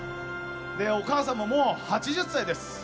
お母さんももう８０歳です。